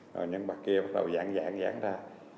rồi những bậc kia bắt đầu giãn giãn giãn ra